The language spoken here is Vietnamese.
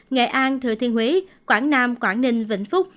nghệ an thừa thiên huế quảng nam quảng ninh vĩnh phúc